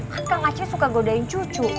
kan kang aceh suka godain cucu